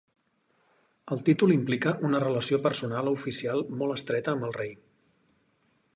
El títol implica una relació personal o oficial molt estreta amb el rei.